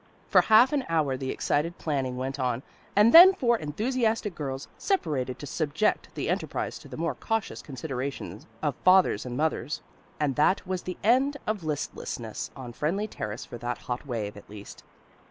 For half an hour the excited planning went on, and then four enthusiastic girls separated to subject the enterprise to the more cautious consideration of fathers and mothers. And that was the end of listlessness on Friendly Terrace for that hot wave, at least.